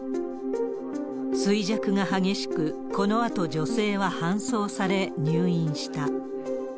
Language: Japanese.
衰弱が激しく、このあと女性は搬送され、入院した。